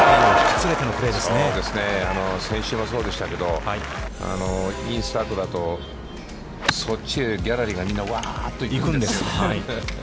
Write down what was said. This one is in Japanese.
先週もそうでしたけど、インスタートだと、そっちへギャラリーがみんなわあって行くんですよね。